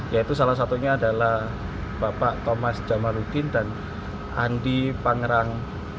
yaitu salah satunya adalah bapak thomas jamaludin dan andi pangerang